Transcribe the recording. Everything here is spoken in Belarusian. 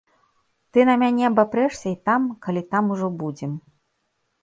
Ты на мяне абапрэшся і там, калі там ужо будзем.